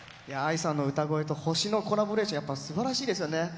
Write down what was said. ＡＩさんの歌声と星のコラボレーション、やっぱりすばらしいですよね。